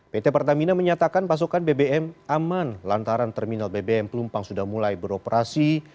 pt pertamina menyatakan pasokan bbm aman lantaran terminal bbm pelumpang sudah mulai beroperasi